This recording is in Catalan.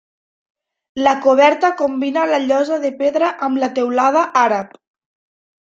La coberta combina la llosa de pedra amb la teulada àrab.